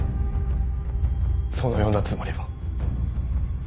そのようなつもりは。